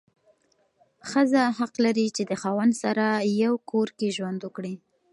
ښځه حق لري چې د خاوند سره یو کور کې ژوند وکړي.